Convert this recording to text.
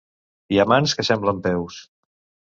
Hi ha mans que semblen peus.